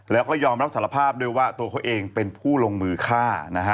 แล้วก็ยอมรับสารภาพด้วยว่าตัวเขาเองเป็นผู้ลงมือฆ่านะฮะ